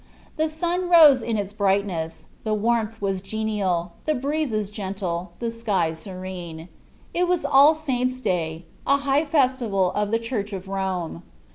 The sun rose in its brightness, the warmth was genial, the breezes gentle, the sky serene. It was All Saints' Day a high festival of the Church of Rome.